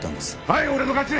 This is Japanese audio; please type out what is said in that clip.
はい俺の勝ち！